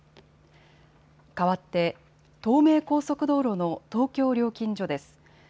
かわって東名高速道路の東京料金所です。